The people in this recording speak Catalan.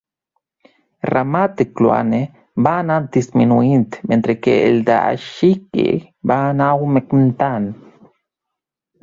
El ramat de Kluane va anar disminuint mentre que el d'Aishihik va anar augmentant.